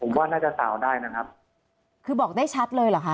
ผมว่าน่าจะสาวได้นะครับคือบอกได้ชัดเลยเหรอคะ